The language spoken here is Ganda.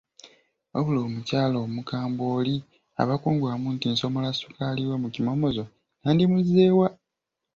Wabula omukyala omukambwe oli aba kungwamu nti nsomola ssukaali we mu kimomozo nandimuzze wa?